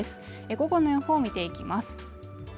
午後の方見ていきます。